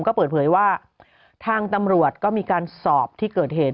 ก็เปิดเผยว่าทางตำรวจก็มีการสอบที่เกิดเหตุ